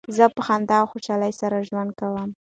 زه په خندا او خوشحالۍ سره ژوند کوم.